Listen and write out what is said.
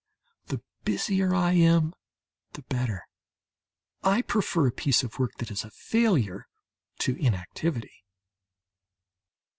The busier I am the better; I prefer a piece of work that is a failure to inactivity.